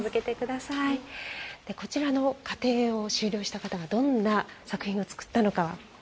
こちらの課程を修了した方がどんな作品を作ったのか。